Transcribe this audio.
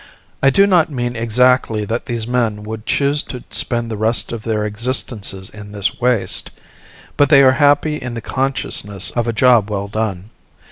I do not mean exactly that these men would choose to spend the rest of their existences in this waste, but they are happy in the consciousness of a job well done.